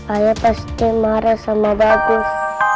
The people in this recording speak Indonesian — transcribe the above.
ayah pasti marah sama babis